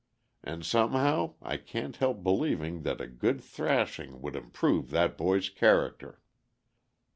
And somehow I can't help believing that a good thrashing would improve that boy's character."